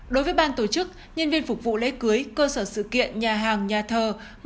đối với ban tổ chức nhân viên phục vụ lễ cưới cơ sở sự kiện nhà hàng nhà thờ